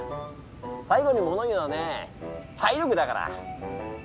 最後に物を言うのはね体力だから。